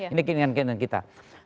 ini keinginan kita